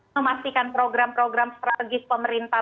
memastikan program program strategis pemerintah